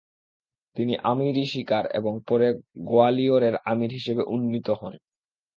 তিনি আমির-ই-শিকার এবং পরে গোয়ালিয়রের আমির হিসেবে উন্নিত হন।